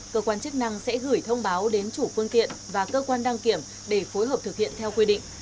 cơ quan chức năng sẽ gửi thông báo đến chủ phương tiện và cơ quan đăng kiểm để phối hợp thực hiện theo quy định